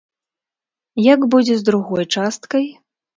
Як будзе з другой часткай?